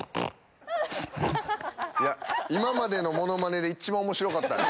今までのモノマネで一番面白かった。